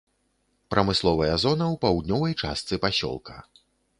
Прамысловая зона ў паўднёвай частцы пасёлка.